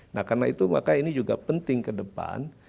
nah karena itu maka ini juga penting ke depan